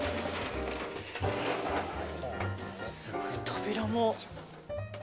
すごい、扉も。